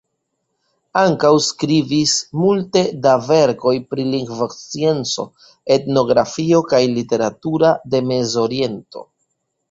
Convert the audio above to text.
Ankaŭ skribis multe da verkoj pri lingvoscienco, etnografio, kaj literaturo de Mezoriento.